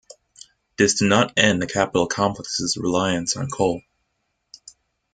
This did not end the Capitol complex's reliance on coal.